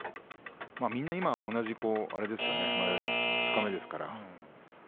みんな今同じ、あれですよね二日目ですから。